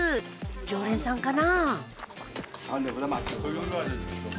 常連さんかな？